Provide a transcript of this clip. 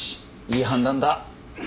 いい判断だ。